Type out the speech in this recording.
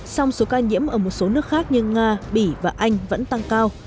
song số ca nhiễm ở một số nước khác như nga bỉ và anh vẫn tăng cao